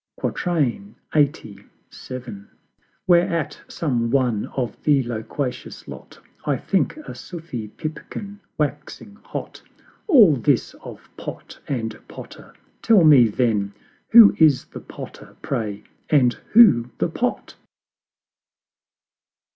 LXXXVII. Whereat some one of the loquacious Lot I think a Sufi pipkin waxing hot "All this of Pot and Potter Tell me then, Who is the Potter, pray, and who the Pot?"